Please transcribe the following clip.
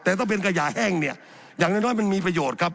แต่ถ้าเป็นขยะแห้งเนี่ยอย่างน้อยมันมีประโยชน์ครับ